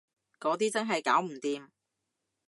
嗰啲真係搞唔掂